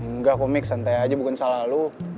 engga kok mik santai aja bukan salah lo